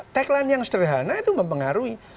tagline yang sederhana itu mempengaruhi